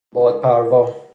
باد پروا